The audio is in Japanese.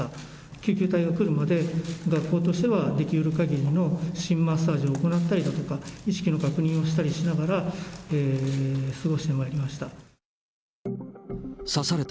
救急隊が来るまで、学校としては、できうるかぎりの心マッサージを行ったり、意識の確認をしたりしながら過ごしてまいりました。